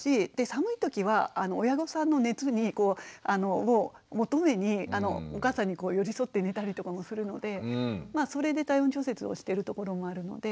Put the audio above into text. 寒い時は親御さんの熱を求めにお母さんに寄り添って寝たりとかもするのでそれで体温調節をしてるところもあるので。